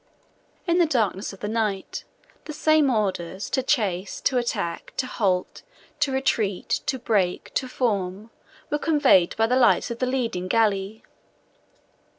In the darkness of the night, the same orders to chase, to attack, to halt, to retreat, to break, to form, were conveyed by the lights of the leading galley.